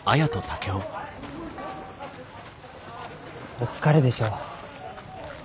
お疲れでしょう？